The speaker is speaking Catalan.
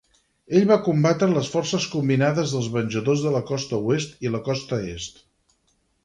Ell va combatre les forces combinades dels Venjadors de la costa oest i la costa est.